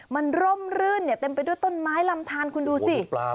มันร่มรื่นเนี่ยเต็มไปด้วยต้นไม้ลำทานคุณดูสิ